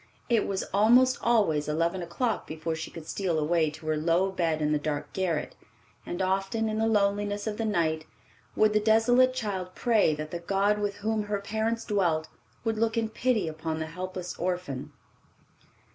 It was almost always eleven o'clock before she could steal away to her low bed in the dark garret, and often, in the loneliness of the night, would the desolate child pray that the God with whom her parents dwelt would look in pity upon the helpless orphan.